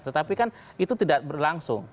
tetapi kan itu tidak berlangsung